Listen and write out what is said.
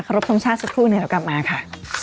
ค่ะภาครบทรงชาติสักครู่เนี้ยเรากลับมาค่ะ